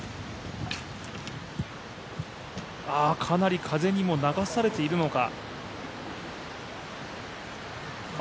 かなり風にも流されているのか？